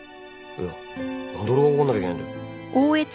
いや何で俺がおごんなきゃいけないんだよ。